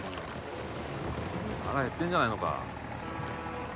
腹へってんじゃないのか？